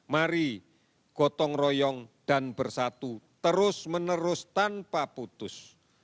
mari gotong royong dan bersatu terus menerus tanpa putus